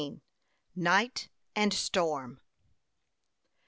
NIGHT AND STORM.